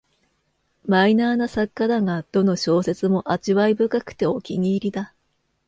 マイナーな作家だが、どの小説も味わい深くてお気に入りだ